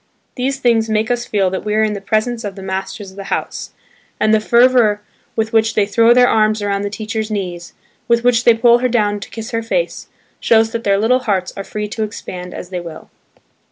These things make us feel that we are in the presence of the masters of the house; and the fervour with which they throw their arms around the teacher's knees, with which they pull her down to kiss her face, shows that their little hearts are free to expand as they will.